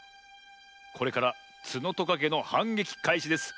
これからツノトカゲのはんげきかいしです。